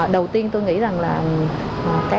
đầu tiên tôi nghĩ là các cơ quan